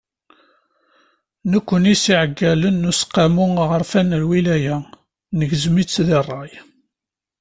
Nekkni s yiɛeggalen n Useqqamu Aɣerfan n Lwilaya, negzem-itt di ṛṛay.